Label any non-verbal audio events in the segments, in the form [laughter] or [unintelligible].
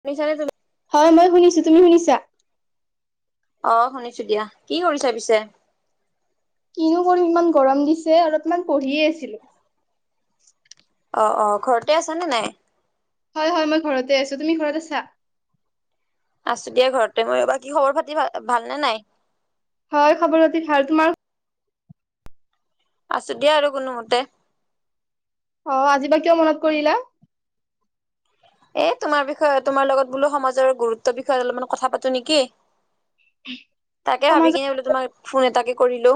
শুনিচানে তুমি? হয় মই শুনিছো। তুমি শুনিছা? অ শুনিছো দিয়া। কি কৰিছা পিছে? কিনো কৰিম ইমান গৰম দিছে আৰু অকমান পঢ়িয়ে আছিলো। অ অ ঘৰতে আছা নে নাই? হয় হয় মই ঘৰতে আছো। তুমি ঘৰত আছা? আছো দিয়া ঘৰতে মই। বাকি খবৰ পাতি ভাল ভাল নে নাই? হয় খবৰ পাতি ভাল। তোমাৰ? আছো দিয়া আৰু কোনোমতে। অ আজি বা কিয় মনত কৰিলা? এ তোমাৰ বিষয়ে তোমাৰ লগত বোলো সমাজৰ গুৰুত্বৰ বিষয়ে অলপমান কথা পাতো নেকি? তাকে ভাবি সমাজত কিনে বোলো তোমাক ফোন এটাকে কৰিলো।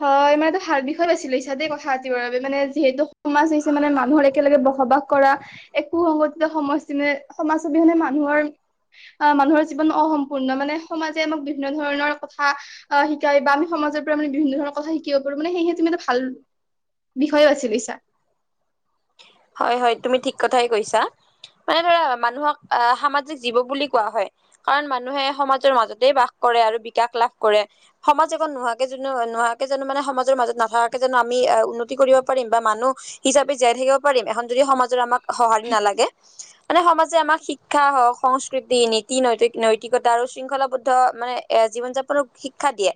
হয়, ইমান এটা ভাল বিষয় বাছি লৈছা দেই কথা পাতিবৰ বাবে মানে যিহেতু সমাজ হৈছে মানে মানুহৰ একেলগে বসবাস কৰা এক সুসংগঠিত সমষ্টিনে সমাজ অবিহনে মানুহৰ আহ' মানুহৰ জীৱন অসম্পূৰ্ণ মানে সমাজে আমাক বিভিন্ন ধৰণৰ কথা আহ' শিকাই বা আমি সমাজৰ পৰা মানে বিভিন্ন ধৰণৰ কথা শিকিব পাৰো। মানে সেয়েহে তুমি এটা ভাল বিষয়ও বাছি লৈচা। হয় হয়, তুমি ঠিক কথাই কৈছা। মানে ধৰা মানুহক আহ' সামাজিক জীৱ বুলি কোৱা হয়। কাৰণ মানুহে সমাজৰ মাজতে বাস কৰে আৰু বিকাশ লাভ কৰে। সমাজ এখন নোহোৱাকে জানো নোহোৱাকে জানো মানে সমাজৰ মাজত নাথকাকে জানো আমি উন্নতি কৰিব পাৰিম বা মানুহ হিচাপে জীয়াই থাকিব পাৰিম, এখন যদি সমাজৰ আমাক সঁহাৰি নালাগে। মানে সমাজে আমাক শিক্ষা হওক, সংস্কৃতি, নীতি, নৈতিক-নৈতিকতা আৰু শৃংখলাবদ্ধ মানে এ জীৱন যাপনৰ শিক্ষা দিয়ে।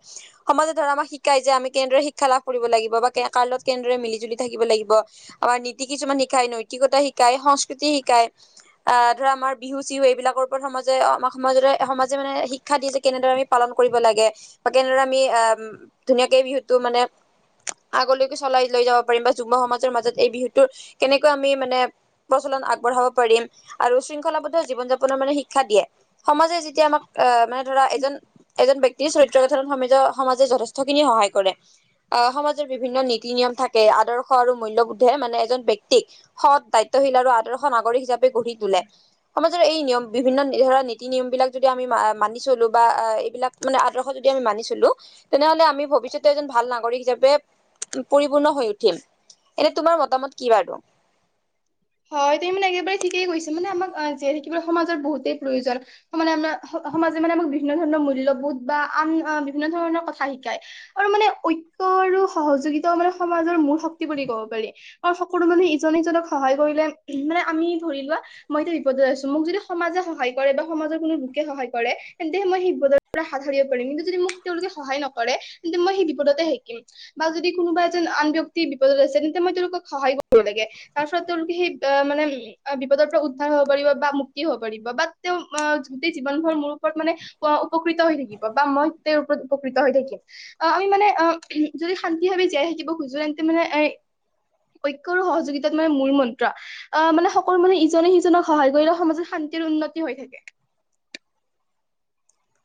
সমাজে ধৰা আমাক শিকাই যে আমি কেনেদৰে শিক্ষা লাভ কৰিব লাগিব বা কাৰ লগত কেনেদৰে মিলি জুলি থাকিব লাগিব। আমাৰ নীতি কিছুমান শিকাই, নৈতিকতা শিকাই, সংস্কৃতি শিকাই। আহ' ধৰা আমাৰ বিহু চিহু এইবিলাকৰ ওপৰত সমাজে আমাৰ সমাজৰে সমাজে মানে শি শিক্ষা দিয়ে যে কেনেদৰে আমি পালন কৰিব লাগে বা কেনেদৰে আমি আহ' ধুনীয়াকে বিহুটো মানে আগলৈকে চলাই লৈ যাব পাৰিম বা যুম্ম সমাজৰ মাজত এই বিহুতটো কেনেকুৱা আমি মানে প্ৰচলন আগবঢ়াব পাৰিম আৰু শৃংখলাবদ্ধ জীৱন যাপনৰ মানে শিক্ষা দিয়ে। সমাজে যেতিয়া আমাক আহ' মানে ধৰা এজন এজন বক্তি চৰিত্ৰ গাঁঠন সমা-সমাজে যথেষ্টখিনি সহায় কৰে। অহ' সমাজৰ বিভিন্ন নীতি নিয়ম থাকে। আদৰ্শ আৰু মূল্যবোধে মানে এজন ব্যক্তিক সৎ দায়িত্বশীল আৰু আদৰ্শ নাগৰিক হিচাপে গঢ়ি তোলে। সমাজৰ এই নিয়ম বিভিন্ন ধৰা নীতি নিয়ম বিলাক যদি আমি মানি চলো বা এইবিলাক মানে আদৰ্শ যদি আমি মানি চলো- তেনে হ'লে আমি ভৱিষ্যতে এজন ভাল নাগৰিক হিচাপে পৰিপূৰ্ণ হৈ উঠিম। এনে তোমাৰ মতামত কি বাৰু? হয়, তুমি মানে একেবাৰে ঠিকেই কৈছা মানে আমাক জীয়াই থাকিবলৈ সমাজৰ বহুতেই প্ৰয়োজন। মানে আমাৰ সমাজে মানে আমাক বিভিন্ন ধৰণৰ মূল্যবোধ বা আন বিভিন্ন ধৰণৰ কথা শিকায়। আৰু মানে ঐক্য আৰু সহযোগিতাও মানে সমাজৰ মূল শক্তি বুলি ক'ব পাৰি। আৰু সকলো মানুহে ইজনে সিজনক সহায় কৰিলে মানে আমি ধৰি লোৱা মইতো বিপদত আছো, মোক যদি সমাজে সহায় কৰে বা সমাজৰ কোনো লোকে সহায় কৰে তেন্তে মই বিপদৰ পৰা হাত সাৰিব পাৰিম। কিন্তু যদি মোক তেওঁলোকে সহায় নকৰে তেন্তে মই সেই বিপদতে শিকিম। বা যদি কোনোবা এজন আন ব্যক্তি বিপদত আছে তেন্তে মই তেওঁলোকক সহায় কৰিব লাগে। তাৰ ফলত তেওঁলোকে সেই মানে বিপদৰ পৰা উদ্ধাৰ হ'ব পাৰিব বা মুক্তি হ'ব পাৰিব বা তেওঁ গোটেই জীৱনভৰ মোৰ ওপৰত মানে অ' উপকৃত হৈ থাকিব বা মই তেওঁৰ ওপৰত উপকৃত হৈ থাকিম। আহ' আমি মানে আহ' যদি শান্তি ভাৱে জীয়াই থাকিব খুজো তেন্তে মানে এ পক্ষৰ সহযোগিতা াত মানে মূল মন্ত্ৰ। অ' মানে সকলো মানে ইজনে সিজনক সহায় কৰিলে সমাজত শান্তিৰ উন্নতি হৈ থাকে।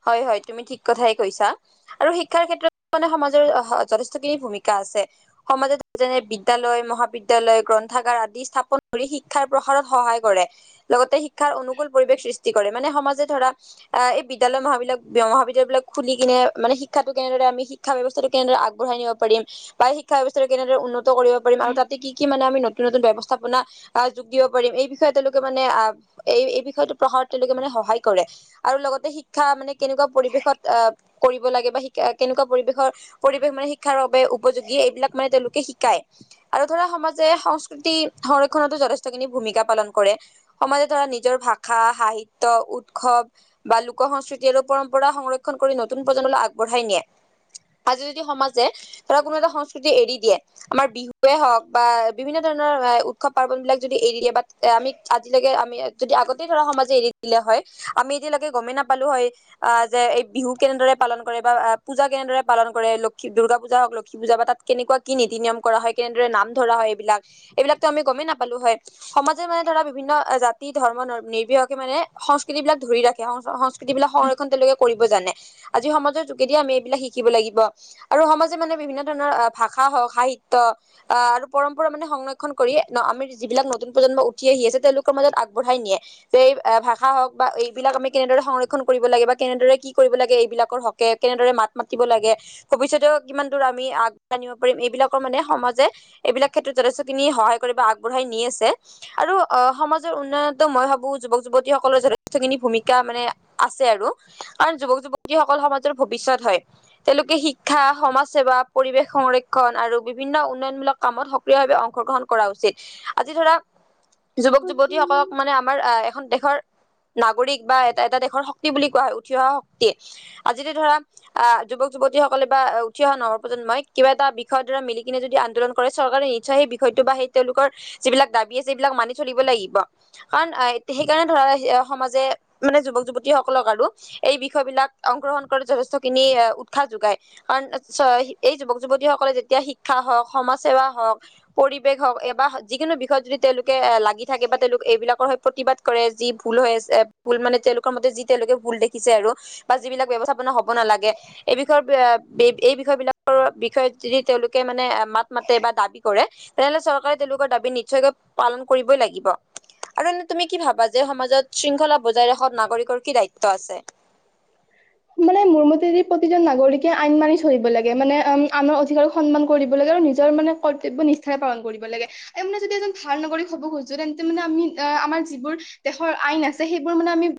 হয় হয়, তুমি ঠিক কথাই কৈছা। আৰু শিক্ষাৰ ক্ষেত্ৰত মানে সমাজৰ যথেষ্টখিনি ভূমিকা আছে। সমাজত যেনে বিদ্যালয়, মহাবিদ্যালয়, গ্ৰন্থাগাৰ আদি স্থাপন কৰি শিক্ষাৰ প্ৰসাৰত সহায় কৰে। লগতে শিক্ষাৰ অনুকুল পৰিৱেশ সৃষ্টি কৰে। মানে সমাজে ধৰা আহ' এই বি বিদ্যালয় মহাবিদ্যালয়, মহাবিদ্যালয় বিলাক খুলি কিনে মানে শিক্ষাটো কেনেৰে আমি শিক্ষা ব্যৱস্থাটো কেনেদৰে আগঢ়াই নিব পাৰিম- বা শিক্ষা ব্যৱস্থাটো কেনেদৰে উন্নত কৰিব পাৰিম আৰু তাতে কি কি মানে আমি নতুন নতুন ব্যৱস্থাপনা আ, যোগ দিব পাৰিম এই বিষয়ে তেওঁলোকে মানে আহ এই এই বিষয়টো প্ৰসাৰত তেওঁলোকে মানে সহায় কৰে। আৰু লগতে শিক্ষা মানে কেনেকুৱা পৰিৱেশত আ, কৰি লাগে বা শিক-কেনেকুৱা পৰিৱেশৰ, পৰিৱেশ মানে শিক্ষাৰ বাবে উপযোগী এইবিলাক মানে তেওঁলোকে শিকায়। আৰু ধৰা সমাজে সংস্কৃতি সংৰক্ষণতো যথেষ্টখিনি ভূমিকা পালন কৰে। সমাজে ধৰা নিজৰ ভাষা, সাহিত্য, উৎসৱ বা লোক ক সংস্কৃতি আৰু পৰম্পৰা সংৰক্ষণ কৰি নতুন প্ৰজন্মলৈ আগবঢ়াই নিয়ে। আজি যদি সমাজে তাৰ কোনো এটা সংস্কৃতি এৰি দিয়ে। আমাৰ বিহুৱে হওঁক বা বিভিন্ন ধৰণৰ উৎসৱ পাৰ্বন বিলাক যদি এৰি দিয়ে বা তেতিয়া আমি আজিলৈকে আমি যদি আগতে ধৰা সমাজে এৰি দিলে হয়, আমি এতিয়ালৈকে গমেই নাপালো হয় আ, যে এই বিহু কেনেদৰে পালন কৰে, বা পূজা কেনেদৰে পালন কৰে, লক্ষী দূৰ্গা পূজা হওক লক্ষী পূজা বা তাত কেনেকুৱা কি নীতি নিয়ম কৰা হয় কেনেদৰে নাম ধৰা হয় এইবিলাক, এইবিলাকো আমি গমেই নাপালো হয়। সমাজে মানে ধৰা বিভিন্ন জাতি ধৰ্ম নৰ-নিৰ্বাহকে মানে সংস্কৃতি বিলাক ধৰি ৰাখে [unintelligible] এইবিলাক সংৰক্ষণ তেওঁলোকে কৰিব জানে। আজি সমাজৰ যোগেদিয়ে আমি এইবিলাক শিকিব লাগিব। আৰু সমাজে মানে বিভিন্ন ধৰণৰ ভাষা হওক, সাহিত্য আ, আৰু পৰম্পৰা মানে সংৰক্ষণ কৰি ন-আমি যিবিলাক নতুন প্ৰজন্ম উঠ্ উঠি আহি আছে তেওঁলোকৰ মাজত আগবঢ়াই নিয়ে, যে এই ভাষা হওক বা এইবিলাক আমি কেনেদৰে সংৰক্ ক্ষণ কৰিব লাগে, বা কেনেদৰে কি কৰিব লাগে এইবিলাকৰ হকে, কেনেদৰে মাত মাতিব লাগে ভৱিষ্যতেও কিমান দূৰ আমি আগবাঢ়িব পাৰিম এইবিলাকৰ মানে সমাজে এইবিলাক ক্ষেত্ৰত যথেষ্টখিনি সহায় কৰিব আগবঢ়াই নি আছে। আৰু অ', সমাজৰ উন্নয়তো মই ভাবো যুৱক যুৱতী সকলৰ যথেষ্ট খিনি ভূমিকা মানে আছে আৰু, কাৰণ যুৱক যুৱতীসকল সমাজৰ ভৱিষ্যত হয়। তেওঁলোকে শিক্ষা, সমাজসেৱা, পৰিৱেশ সংৰক্ষণ, আৰু বিভিন্ন উন্নয়নমূলক কামত সক্ৰিয় ভাৱে অংশগ্ৰহণ কৰা উচিত। আজি ধৰা যুৱক থাকে। যুৱতীসকলক মানে আমাৰ আ, এখন দেশৰ নাগৰিক বা এটা-এটা দেশৰ শক্তি বুলি কোৱা হয় উঠি অহা শক্তিয়ে। আজিতে ধৰা আ, যুৱক যুৱতীসকলে বা উঠি অহা নৱপ্ৰন্মই কিবা এটা বিষয়ৰ ধৰা মিলি কিনে যদি আন্দোলন কৰে চৰকাৰে সেই বিষয়টো বা সেই তেওঁলোকৰ যিবিলাক দাবী আছে এইবিলাক মানি চলিব লাগিব। কাৰণ এই সেইকাৰণে ধৰা [unintelligible] সমাজে মান যুৱক যুৱ তি সকলক আৰু, এই বিষয় বিলাক অংশগ্ৰহণ কৰি যথেষ্টখিনি উৎসাহ যোগায়। কাৰণ [unintelligible] এই যুৱক যুৱ তি সকলে যেতিয়া শিক্ষা হওক সমাজ সেৱা হওক। পৰিৱেশ হওক এবাহ যিকোনো বিষয়ত যদি তেওঁলোকে লাগি থাকে বা তেওঁলোক এইবিলাকৰ হৈ প্ৰতিবাদ কৰে যি ভুল হৈ আছে এ, ভুল মানে তেওঁলোকৰ মতে যি তেওঁলোকে ভুল দেখিছে আৰু। বা যিবিলাক ব্যৱস্থাপনা হব নালাগে। এই বিষয়ৰ [unintelligible] এই-এই বিষয় বিলাকৰ বিষয়ে যদি তেওঁলোকে মানে মাত মাতে বা দাবী কৰে তেনেহলে চৰকাৰে তেওঁলোকৰ দাবী নিশ্চয়কৈ পালন কৰিবই লাগিব। আৰু এনে তুমি কি ভাবা, যে সমাজত শৃংখলা বজাই ৰাখাত নাগৰিকৰ কি দায়িত্ব আছে? [inaudible] মানে মোৰ মতেদি প্ৰতিজন নাগৰিকে আইন মানি চলিব লাগে। মানে উম, আনৰ অধিকাৰক সন্মান কৰিব লাগে আৰু নিজৰ মানে কৰ্তব্য নিষ্ঠাৰে পালন কৰিব লাগে। আৰু মানে যদি এজন ভাল নাগৰিক হব খুজোঁ, তেন্তে মানে আমি আমাৰ যিবোৰ দেশৰ আইন আছে, সেইবোৰ মানে আমি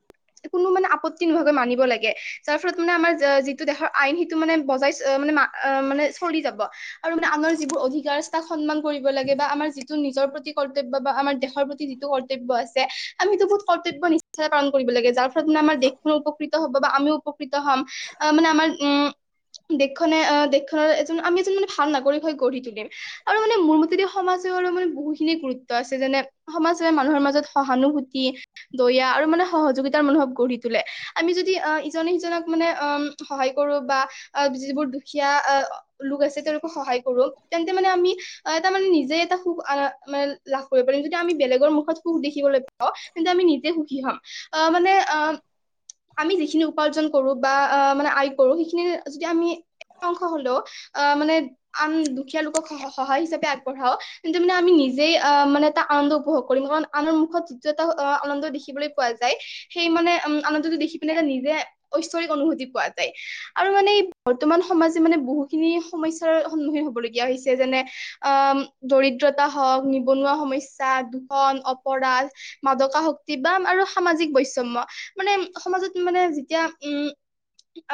কোনো মানে আপত্তি নোহোৱাকৈ মানিব লাগে। যাৰ ফলত মানে আমাৰ, যে-যিটো দেশৰ আইন সিটো মানে বজাই ছ-মানে মা অ', মানে চলি যাব, আৰু মানে আমাৰ যিবোৰ অধিকাৰ তাক সন্মান কৰিব লাগে বা আমাৰ যি টো নিজৰ প্ৰতি কৰ্তব্য বা আমাৰ দেশৰ প্ৰতি যিটো কৰ্তব্য আছে, আমিতো বহুত কৰ্তব্য নিষ্ পালন কৰিব লাগে, যাৰ ফলত মানে আমাৰ, দেশখনো উপকৃত হ'ব বা আমিও উপক হম, মানে আমাৰ, উম দেশখনে আহ, দেশখনৰ এজন আমি এজন মানে, ভাল নাগৰিক হৈ গঢ়ি তুলিম। আৰু মানে মোৰ ম সমাজসেৱাৰো মানে বহুখিনি গুৰুত্ব আছে। যেনে, সমাজসেৱাই মানুহৰ মাজত সহানুভূতি দয়া আৰু মানে সহযোগিতা মনোভাৱ গঢ়ি তোলে। আমি যদি আহ ইজনে সিজনক মানে, আ', সহায় কৰোঁ বা আহ যিবোৰ দুখীয়া আহ লোক আছে। তেওঁলোকক সহায় কৰো তেন্তে মানে আমি অ এটা মানে নিজে এটা সুখ মানে লাভ কৰিব পাৰিম। যদি আমি বেলেগৰ মুখত সুখ দেখিবলৈ কিন্তু আমি নিজে সুখী হম। আহ মানে আহ আমি যিখিনি উপাৰ্জন কৰো বা মানে আয় কৰো। সেইখিনি যদি আমি এটা অংশ হলেও, আহ মানে আন দুখীয়া লোকক স-সহায় হিচাপে আগবঢ়াওক। তেন্ত মানে আমি নিজেই, আহ মানে এটা আনন্দ উপভোগ কৰিম। কাৰণ, আনৰ মুখত যিটো এটা আনন্দ দেখিবলৈ পোৱা যায়। সেই মানে উম আনন্দটো দেখি পিনে নিজে ঐশ্বৰিক অনুভূতি পোৱা যায়। আৰু মানে বৰ্তমান সমাজে মানে বহুখিনি সমস্যাৰ সন্মুখীন হবলগীয়া হৈছে। যেনে - আ', দৰিদ্ৰতা হওক, নিবনুৱা সমস্যা, দুষন অপৰাধ মাদকা শক্তি বা, আৰু সামাজিক বৈষম্য। মানে সমাজত মানে যেতিয়া, উম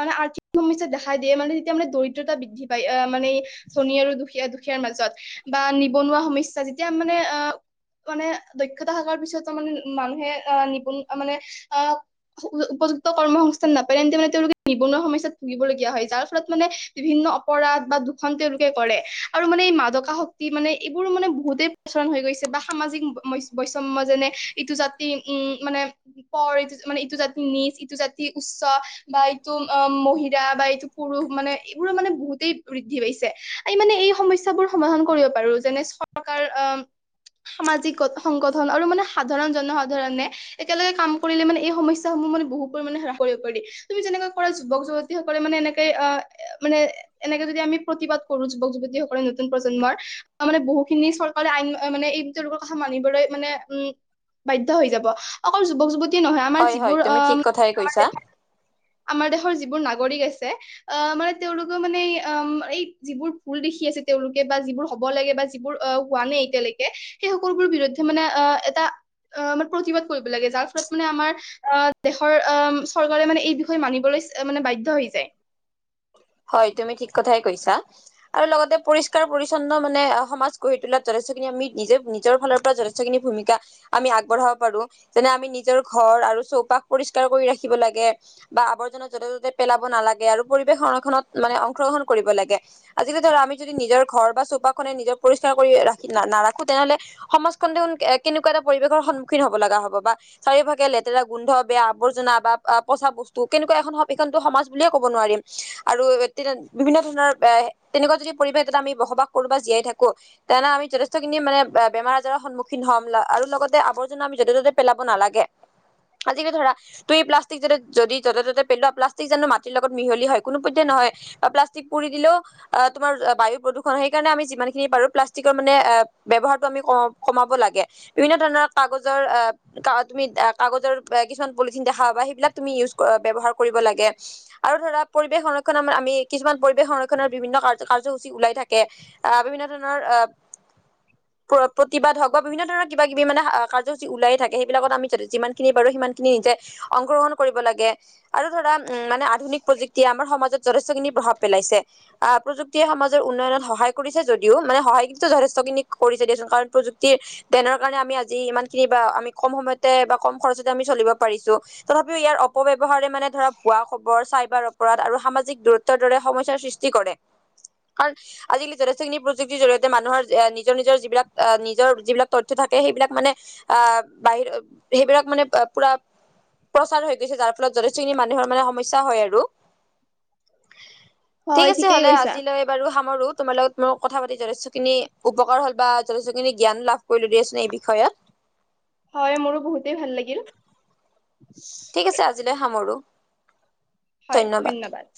মানে, আৰ্থিক সমস্যাই দেখা দিয়ে। মানে তেতিয়া মানে দৰিদ্ৰতা বৃদ্ধি পায়। আহ, মানে ধনী আৰু দুখীয়া-দুখীয়াৰ মাজত। বা নিবনুৱা সমস্যা, যেতিয়া মানে আহ মানে দক্ষতা থকাৰ পিছটো মানে, মানুহে আহ নিবনুৱা মানে, আহ উপযুক্ত, কৰ্ম সংস্থান নাপাই তেন্তে মানে তেওঁলোকে নিবনুৱা সমস্যাত ভুগিবলগীয়া হয়। যাৰ ফলত মানে বিভিন্ন অপৰাধ বা দুখন তেওঁলোকে কৰে। আৰু মানে এই মাদক শক্তি মানে, এইবোৰ মানে বহুতেই প্ৰচলন হৈ গৈছে বা সামাজিক বৈষম্য। যেনে- ইটো জাতি উম, মানে পৰ ইটো মানে, ইটো জাতি নিজ, ইটো জাতি উচ্চ। বা এইটো অ', মহিলা বা এইটো পুৰুষ মানে, এইবোৰ মানে বহুতেই বৃদ্ধি পাইছে। এই মানে এই সমস্যাবোৰ সমাধান কৰিব পাৰো। যেনে চৰকাৰ আহ সামাজিক সংগঠন আৰু মানে, সাধাৰণ জনসাধাৰণে একেলগে কাম কৰিলে মানে, এই সমস্যাসমূহ মানে বহু পৰিমাণে হ্ৰাস কৰিব পাৰি। তুমি যেনেকৈ কৰা, যুৱক যুৱতী সকলে মানে, এনেকে আহ মানে এনেকে যদি আমি প্ৰতিবাদ কৰো যুৱক যুৱতীসকলে। নতুন প্ৰজন্মৰ, মানে বহুখিনি চৰকাৰে আইন মানে এই তেওঁলোকৰ কথা মানিবলৈ মানে, উম বাধ্য হৈ যাব। অকল যুৱক যুৱতী নহয় আমাৰ হয় হয় যিবোৰ তুমি ঠিক অ', কথাই কৈছা আমাৰ- আমাৰ দেশৰ যিবোৰ নাগৰিক আছে, অ', মানে তেওঁলোকেও মানে অ'এই যিবোৰ ভুল দেখি আছে তেওঁলোকে বা যিবোৰ হ'ব লাগে বা যিবোৰ অ' হোৱা নাই এতিয়ালৈকে। সেই সকলোবোৰ বিৰুদ্ধে মানে, অ', এটা অ' মানে, প্ৰতিবাদ কৰিব লাগে। যাৰ ফলত মানে আমাৰ অ', দেশৰ আহ, চৰকাৰে মানে এই বিষয়ে মানিবলৈ মানে বাধ্য হৈ যায়। হয়, তুমি ঠিক কথাই কৈছা। আৰু লগতে পৰিষ্কাৰ পৰিচ্ছন্ন মানে সমাজ গঢ়ি তোলাত যথেষ্টখিনি আমি নিজে নিজৰ ফালৰ পৰা য যথেষ্টখিনি ভূমিকা আমি আগবঢ়াব পাৰো। যেনে আমি নিজৰ ঘৰ আৰু চৌপাশ পৰিষ্কাৰ কৰি ৰাখিব লাগে। বা আৱৰ্জনা য'তে ত'তে পেলাব নালাগে, আৰু পৰিৱেশ সংৰক্ষণত মানে, অংশগ্ৰহণ কৰিব লাগে। আজিকালি ধৰা আমি যদি নিজৰ ঘৰ বা চোপাখনে নিজৰ পৰিষ্কাৰ কৰি ৰাখি নাৰাখো তেনেহ'লে, সমাজখন দেখোন কেনেকুৱা এটা পৰিৱেশৰ সন্মুখীন হব লগা হব। বা চাৰিভাগে লেতেৰা গোন্ধ বেয়া আৱৰ্জনা বা পচা বস্তু কেনেকুৱা এখন হ সেইখনো সমাজ এনে ক'ব নোৱাৰিম। আৰু তেতিয়া বিভিন্ন ধৰণৰ এ তেনেকুৱা যদি পৰিৱেশ এটা আমি বসবাস কৰো বা জীয়াই থাকো। তেনে আমি যথেষ্টখিনি মানে বেমাৰ আজাৰৰ সন্মুখীন হ'ম আৰু লগতে আৱৰ্জনা আমি জতে ততে পেলাব নালাগে। আজিকি ধৰা তই এই প্লাষ্টিক যতে যদি যতে ত'তে পেলোৱা প্লাষ্টিক জানো মাটিৰ লগত মিহলি হয়? কোনো পইধে নহয় বা প্লাষ্টিক পুৰি দিলেওঁ আহ তোমাৰ বায়ু প্ৰদূষণ সেইকাৰণে আমি যিমানখিনি পাৰো প্লাষ্টিকৰ মানে ব্যৱহাৰটো আমি কমাব লাগে। বিভিন্ন ধৰণৰ কাগজৰ আহ তুমি কাগজৰ কিছুমান পলিথিন দেখা বা সেইবিলাক তুমি ইউজ বব্যৱহাৰ কৰিব লাগে। আৰু ধৰা পৰিৱেশ সংৰক্ষণৰ আমি কিছুমান পৰিৱেশ সংৰক্ষণৰ বিভিন্ন কাৰ কাৰ্যসূচী ওলাই থাকে। আহ বিভিন্ন ধৰণৰ আহ প্ৰতিবাদ হওঁক বা বিভিন্ন ধৰণৰ কিব কিবি মানে, কাৰ্যসূচী ওলাই থাকে। সেইবিলাকত আমি যিখিনি পাৰো, সিমানখিনি নিজে অংশগ্ৰহণ কৰিব লাগে। আৰু ধৰা উম, মানে আধুনিক প্ৰযুক্তি এতিয়া আমাৰ সমাজত, যথেষ্টখিনি প্ৰভাৱ পেলাইছে। আহ, প্ৰযুক্তিয়ে সমাজৰ উন্নয়নত সহায় কৰিছে যদিও, মানে সহায় কিন্তু যথেষ্টখিনি কৰিছে দিয়াচোন। কাৰণ প্ৰযুক্তি নৰ কাৰণে আমি আজি ইমান খিনি বা আমি কম সময়তে বা কম খৰচ চলিব পাৰিছোঁ। তথাপিও ইয়াৰ অপব্যৱহাৰে ইয়াৰ মানে ধৰা পোৱা খবৰ চাইবাৰ অপৰাধ আৰু সামাজিক দূৰত্বৰ দৰে সমস্যাৰ সৃষ্টি কৰে। কাৰণ আজিকালি যথেষ্টখিনি প্ৰযুক্তিৰ জৰিয়তে মানুহৰ এ নিজৰ নিজৰ যিবিলাক অ', নিজৰ যিবিলাক তথ্য থাকে সেইবিলাক মানে আহ বাহিৰ সেইবিলাক মানে পুৰা প্ৰচাৰ হৈ গৈছে। যাৰ ফলত যথেষ্টখিনি মানুহৰ মানে সমস্যা হয় আৰু। [unintelligible] ঠিক আছে ঠিকেই হ'লে কৈছা আজিলৈ বাৰু সামৰো তোমাৰ লগত কথা পাতি যথেষ্ট খিনি উপকাৰ হ'ল বা যথেষ্টখিনি জ্ঞান লাভ কৰিলোঁ দিয়া চুন এই বিষয়ত। হয় মোৰো বহুতেই ভাল লাগিল। ঠিক আছে আজিলৈ সামৰো। হয় ধন্যবাদ।